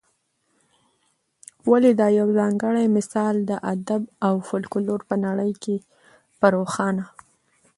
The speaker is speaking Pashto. ولي دا یوځانګړی مثال د ادب او فلکلور په نړۍ کي په روښانه